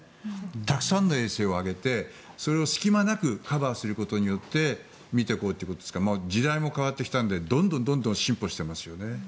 たくさんの衛星を上げてそれを隙間なくカバーすることで見ていこうということですから時代も変わってきたのでどんどん進歩していますよね。